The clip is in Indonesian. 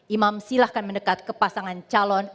imam silahkan mendekat ke pasangan calon